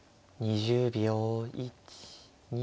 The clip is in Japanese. ２０秒。